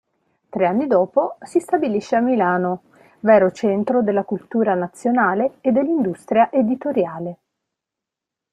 Tre anni dopo si stabilisce a Milano, vero centro della cultura nazionale e dell'industria editoriale.